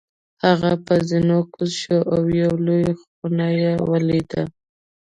هغه په زینو کوز شو او یوه لویه خونه یې ولیده.